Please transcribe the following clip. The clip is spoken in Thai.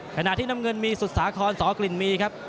ขณะที่น้ำเงินมีสุสาครสอกลิ่นมีครับ